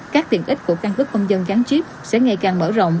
các tiện ích của căn cước công dân gắn chip sẽ ngày càng mở rộng